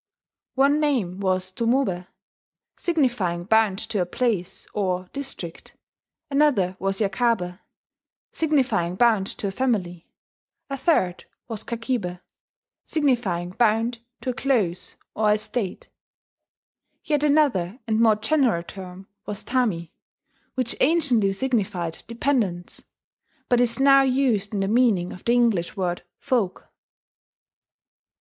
One name was tomobe, signifying bound to a place, or district; another was yakabe, signifying bound to a family; a third was kakibe, signifying bound to a close, or estate; yet another and more general term was tami, which anciently signified "dependants," but is now used in the meaning of the English word "folk."